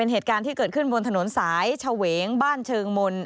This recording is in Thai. เหตุการณ์ที่เกิดขึ้นบนถนนสายเฉวงบ้านเชิงมนต์